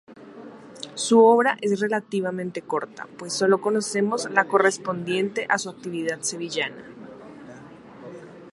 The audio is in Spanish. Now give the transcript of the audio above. Su obra es relativamente corta, pues sólo conocemos la correspondiente a su actividad sevillana.